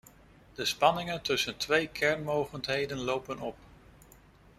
De spanningen tussen twee kernmogendheden lopen op.